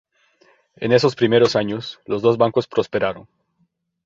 En esos primeros años, los dos bancos prosperaron.